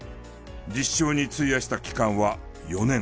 実証に費やした期間は４年。